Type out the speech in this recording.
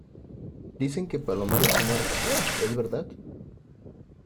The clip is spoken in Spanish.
dicen que Palomares ha muerto. ¿ es verdad?